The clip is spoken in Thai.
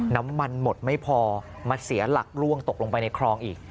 น้ำมันหมดไม่พอมาเสียหลักร่วงตกลงไปในคลองอีก